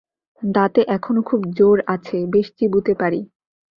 দাঁতে এখনও খুব জোর আছে, বেশ চিবুতে পারি।